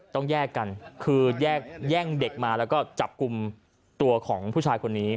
ต้องแยกกันคือแย่งเด็กมาแล้วก็จับกลุ่มตัวของผู้ชายคนนี้